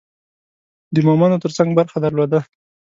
د مومندو ترڅنګ برخه درلوده.